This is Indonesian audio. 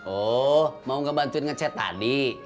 oh mau ngebantuin ngecet tadi